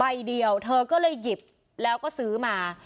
ใบเดียวเธอก็เลยหยิบแล้วก็ซื้อมา